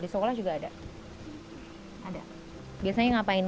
di sekolah coisas sekarang ada banyak crindea